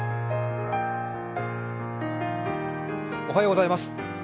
おはようございます。